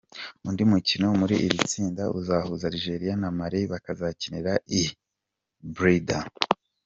Undi mukino muri iri tsinda uzahuza Algeria na Mali bakazakinira i Blida.